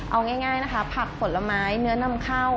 เอาง่ายนะคะผักผลไม้เนื้อนำเข้า